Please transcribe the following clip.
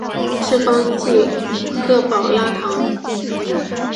圣方济各保拉堂。